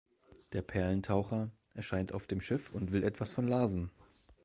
Der Perlentaucher erscheint auf dem Schiff und will etwas von Larsen.